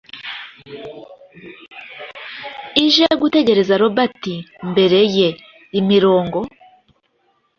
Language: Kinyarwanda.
ije gutekereza Robert mbere ye: imirongo